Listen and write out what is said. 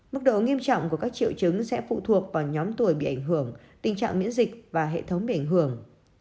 mức độ nghiêm trọng của các triệu chứng sẽ phụ thuộc vào nhóm tuổi bị ảnh hưởng tình trạng miễn dịch và hệ thống bị ảnh hưởng